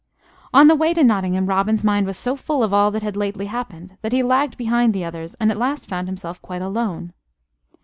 On the way to Nottingham, Robin's mind was so full of all that had lately happened that he lagged behind the others and at last found himself quite alone.